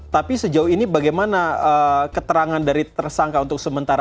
tapi sejauh ini bagaimana keterangan dari tersangka untuk sementara